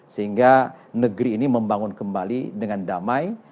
sehingga negeri ini membangun kembali dengan damai